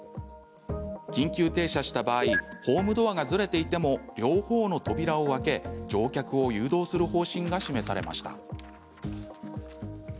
緊急停車した場合ホームドアがずれていても両方の扉を開け、乗客を誘導する方針が示されました。